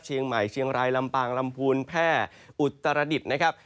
เชียงใหม่เชียงรายลำปางลำพูนแพ่อุตรดิษฐ์นะครับ